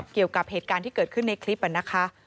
เกี่ยวกับเหตุการณ์ที่เกิดขึ้นในคลิปนะคะ